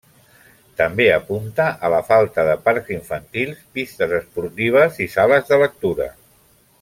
També apunta a la falta de parcs infantils, pistes esportives i sales de lectura.